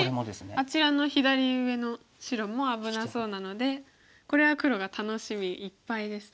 あちらの左上の白も危なそうなのでこれは黒が楽しみいっぱいですね。